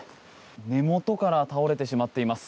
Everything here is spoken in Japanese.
根元から倒れてしまっています。